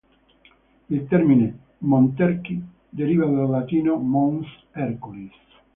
Il termine "Monterchi" deriva dal latino "Mons Herculis".